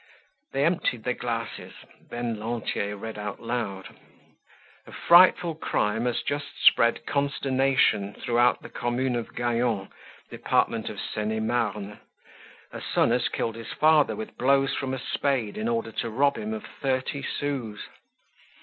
They emptied their glasses. Then Lantier read out loud: "A frightful crime has just spread consternation throughout the Commune of Gaillon, Department of Seine et Marne. A son has killed his father with blows from a spade in order to rob him of thirty sous."